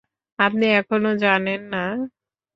আপনি এখনও জানেন না?